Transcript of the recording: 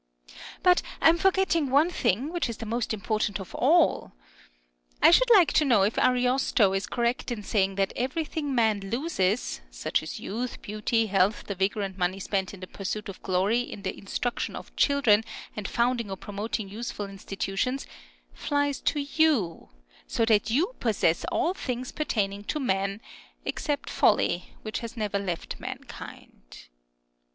But I am forgetting one thing, which is the most important of all. I should like to know if Ariosto is correct in saying that everything man loses, such as youth, beauty, health, the vigour and money spent in the pursuit of glory, in the instruction of children, and founding or promoting useful institutions, flies to you ; so that you possess all things pertaining to man, except 46 DIALOGUE BETWEEN folly, which has never left mankind.